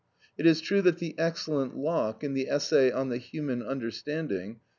It is true that the excellent Locke in the "Essay on the Human Understanding" (Book II.